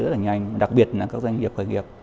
rất là nhanh đặc biệt là các doanh nghiệp